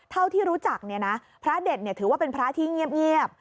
เท่าที่รู้จักเนี่ยนะพระเด็ดถือว่าเป็นพระที่เงียบ